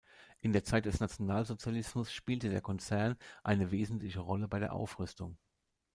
In der Zeit des Nationalsozialismus spielte der Konzern eine wesentliche Rolle bei der Aufrüstung.